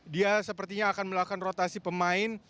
dia sepertinya akan melakukan rotasi pemain